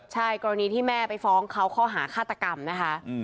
ใช่กรณีที่แม่ไปฟ้องเขาข้อหาฆาตกรรมนะคะ